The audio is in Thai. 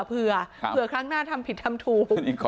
เผื่อครั้งหน้าทำผิดทำถูก